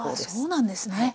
そうなんですね。